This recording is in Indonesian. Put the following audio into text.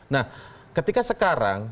nah ketika sekarang